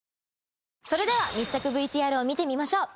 それでは密着ＶＴＲを見てみましょう。